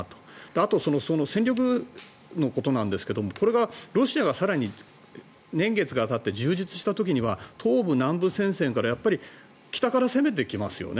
あと、戦力のことなんですがこれがロシアが更に年月がたって充実した時には東部、南部戦線からやっぱり北から攻めてきますよね。